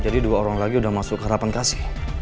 jadi dua orang lagi udah masuk ke harapan kasih